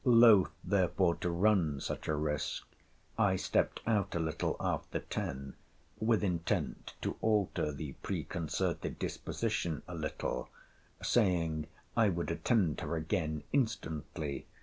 Loth, therefore, to run such a risk, I stept out a little after ten, with intent to alter the preconcerted disposition a little; saying I would attend her again instantly.